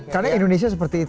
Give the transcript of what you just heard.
karena indonesia seperti itu